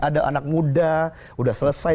ada anak muda sudah selesai